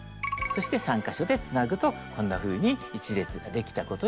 そして３か所でつなぐとこんなふうに１列ができたことになります。